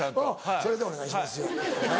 それでお願いしますよ。